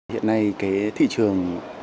hiện nay cái thị trường